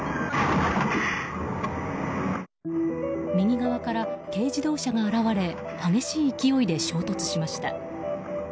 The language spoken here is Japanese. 右側から軽自動車が現れ激しい勢いで衝突しました。